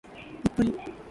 日暮里